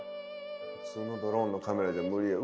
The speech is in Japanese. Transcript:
普通のドローンのカメラじゃ無理よ。